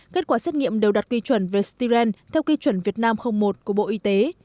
kết quả xét nghiệm đều đạt kỳ chuẩn vestiren theo kỳ chuẩn việt nam một của bộ y tế